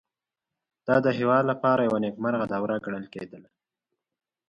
دا د دې هېواد لپاره یوه نېکمرغه دوره ګڼل کېده.